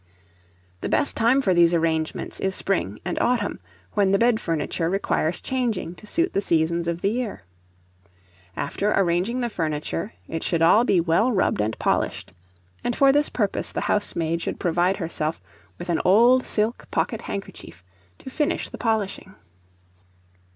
The best time for these arrangements is spring and autumn, when the bed furniture requires changing to suit the seasons of the year. After arranging the furniture, it should all be well rubbed and polished; and for this purpose the housemaid should provide herself with an old silk pocket handkerchief, to finish the polishing.